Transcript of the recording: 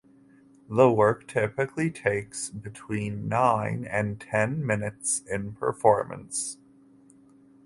The work typically takes between nine and ten minutes in performance.